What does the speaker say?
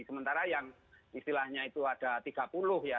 sementara yang istilahnya itu ada tiga puluh ya